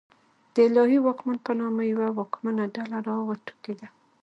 د الهي واکمن په نامه یوه واکمنه ډله راوټوکېده.